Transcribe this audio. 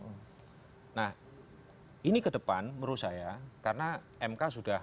nah ini ke depan menurut saya karena mk sudah